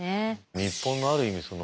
日本のある意味